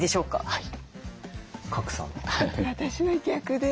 はい。